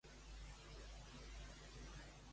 En va beure la dama?